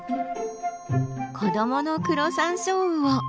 子どものクロサンショウウオ。